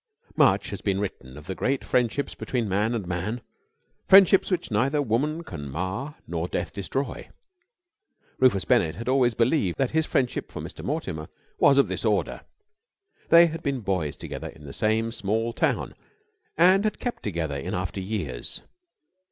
Much has been written of great friendships between man and man, friendships which neither woman can mar nor death destroy. Rufus Bennett had always believed that his friendship for Mr. Mortimer was of this order. They had been boys together in the same small town, and had kept together in after years.